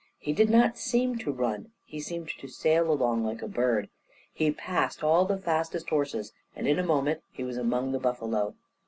He did not seem to run. He seemed to sail along like a bird. He passed all the fastest horses, and in a moment he was among the buffalo.